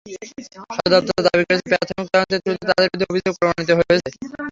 সদর দপ্তর দাবি করেছে, প্রাথমিক তদন্তে শুধু তাঁদের বিরুদ্ধে অভিযোগ প্রমাণিত হয়েছে।